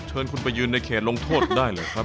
เชิญคุณไปยืนในเขตลงโทษได้หรือครับ